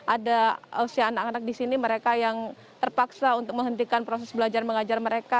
ada usia anak anak di sini mereka yang terpaksa untuk menghentikan proses belajar mengajar mereka